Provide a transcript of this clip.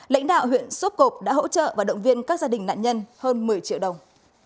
lãnh đạo huyện sốp cộp đã hỗ trợ và động viên các gia đình nạn nhân hơn một mươi triệu đồng